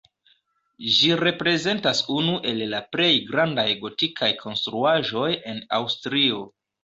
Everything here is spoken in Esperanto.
Ĝi reprezentas unu el la plej grandaj gotikaj konstruaĵoj en Aŭstrio.